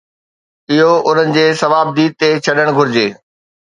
اهو انهن جي صوابديد تي ڇڏڻ گهرجي.